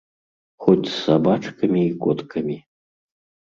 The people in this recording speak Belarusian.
Хоць з сабачкамі і коткамі.